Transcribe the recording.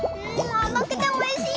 あまくておいしい！